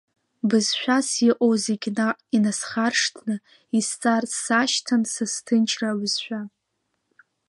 Бызшәас иҟоу зегь наҟ инасхаршҭны, исҵарц сашьҭан са сҭынчра абызшәа…